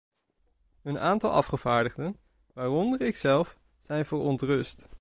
Een aantal afgevaardigden, waaronder ikzelf, zijn verontrust.